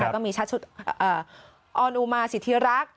ก็มีชัชุออนอูมาสิทธิรักษ์